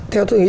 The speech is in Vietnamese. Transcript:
theo tôi nghĩ